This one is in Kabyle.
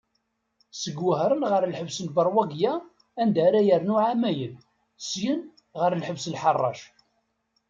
Seg Wahṛen ɣer lḥebs n Beṛwagiya anda ara yernu εamayen, syin ɣer lḥebs Lḥaṛṛac.